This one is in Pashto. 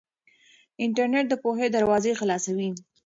انټرنيټ د پوهې دروازې خلاصوي.